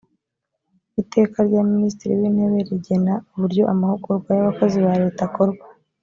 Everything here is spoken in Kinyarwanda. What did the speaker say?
iteka rya minisitiri w intebe rigena uburyo amahugurwa y abakozi ba leta akorwa